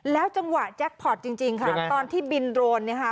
แล้วจังหวะแจ็คพอร์ตจริงจริงค่ะใช่ไหมค่ะตอนที่บินโดรนเนี่ยฮะ